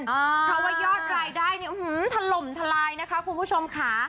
ถ้าว่ายอดรายได้ถล่มทลายนะคะคุณผู้ชมค่ะ